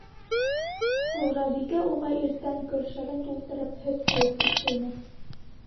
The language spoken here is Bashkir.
Хужабикә уға иртән көршәген тултырып һөт ҡойоп киткәйне.